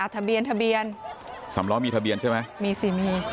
ทะเบียนทะเบียนสำล้อมีทะเบียนใช่ไหมมีสิมี